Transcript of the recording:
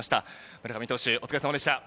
村上投手、お疲れさまでした。